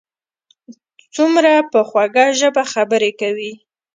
څومره په خوږه ژبه خبرې کوي.